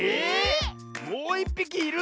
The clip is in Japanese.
もういっぴきいる⁉